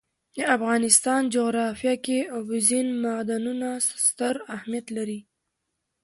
د افغانستان جغرافیه کې اوبزین معدنونه ستر اهمیت لري.